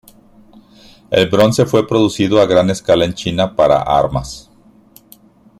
El bronce fue producido a gran escala en China para armas.